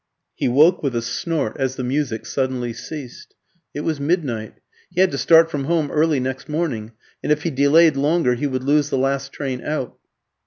He woke with a snort as the music suddenly ceased. It was midnight. He had to start from home early next morning, and if he delayed longer he would lose the last train out.